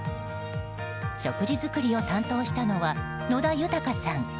食事作りを担当したのは野田豊さん。